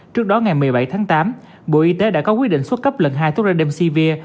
trước đó ngày một mươi bảy tháng tám bộ y tế đã có quyết định xuất cấp lần hai thuốc rademsevir